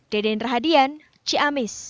deden rahadian ciamis